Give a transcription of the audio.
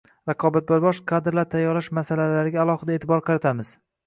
raqobatbardosh kadrlar tayyorlash masalalariga alohida e’tibor qaratamiz.